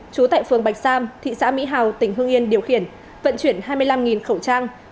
chú tại phương bạch sam thị xã mỹ hào tỉnh hưng yên điều khiển vận chuyển hai mươi năm khẩu trang